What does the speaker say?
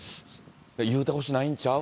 言うてほしないんちゃう？